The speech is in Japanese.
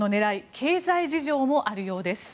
経済事情もあるようです。